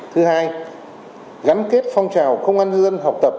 thứ hai gắn kết phong trào công an nhân dân học tập